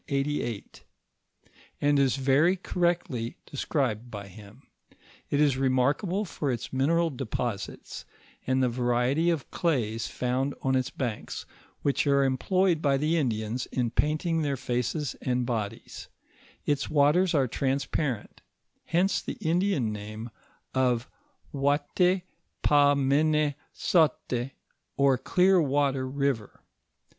La., vol. iii.X and is very correctly described by him. It is re markable for its mineral deposites, and the variety of days found on its banks, which are employed by the Indians in painting their faces and bodies Its waters are transparent, hence the Indian name of wate paw men6 saute, or clear water river.